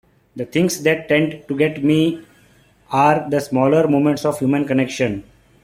The things that tend to get me are the smaller moments of human connection.